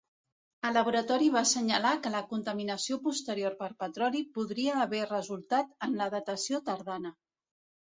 El laboratori va assenyalar que la contaminació posterior per petroli podria haver resultat en la datació tardana.